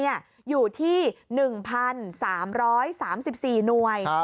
อยู่ที่๑๓๓๔หน่วย